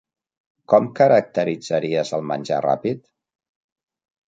Com caracteritzaries el menjar ràpid?